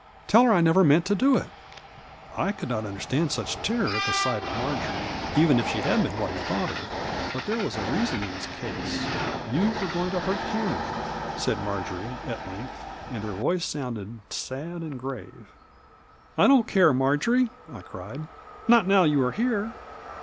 TeU her I never meant to do it I " I could not understand such terror at the sight of Marjory, even if she had been what he thought her ; but there was a reason in his case. " You were going to hurt Cameron," said Marjory, at length, and her voice sounded sad and grave. " I don't care, Marjory," I cried —" not now you are here!"